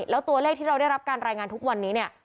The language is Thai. แล้วตัวเลขที่เราได้รับการรายงานทุกวันนี้เนี่ย